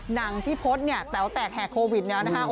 หนังที่พจน์เนี่ยแต๋วแตกแห่โควิดเนี่ยนะคะ